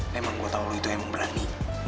memang gua tau lu itu yang memberani